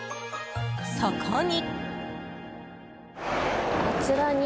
そこに。